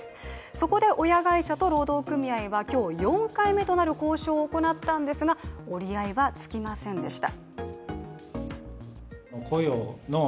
そこで親会社と労働組合は今日４回目となる交渉を行ったんですが、折り合いは付きませんでした。